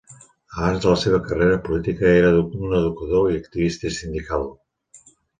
Abans de la seva carrera política, era un educador i activista sindical.